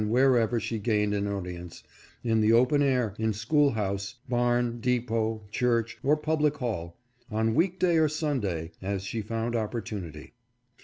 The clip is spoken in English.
573 ever she gained an audience — in the open air, in school house, barn, depot, church, or public hall, on week day or Sunday, as she found opportunity."